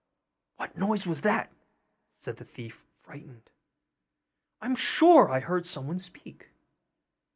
'What noise was that?' said the thief, frightened; 'I'm sure I heard someone speak.